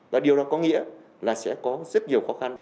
và điều đó có nghĩa là sẽ có rất nhiều khó khăn